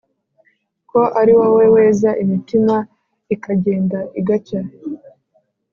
ko ari wowe weza imitima ikagenda igacya